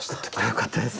よかったです。